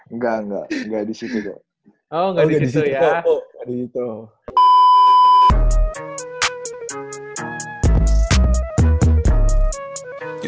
enggak enggak enggak di situ bu